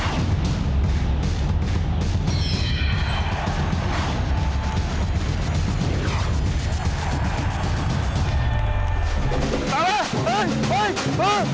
หรือใครกำลังร้อนเงิน